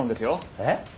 えっ？